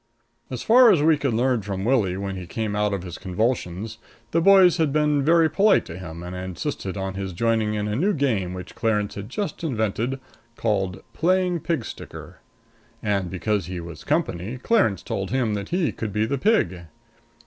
_"] As far as we could learn from Willie when he came out of his convulsions, the boys had been very polite to him and had insisted on his joining in a new game which Clarence had just invented, called playing pig sticker. And, because he was company, Clarence told him that he could be the pig.